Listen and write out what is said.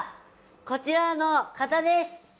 こちらの方です！